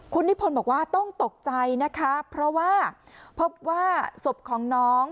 คุณนิพนธ์บอกว่าต้องตกใจนะคะเพราะว่าพบว่าศพของน้อง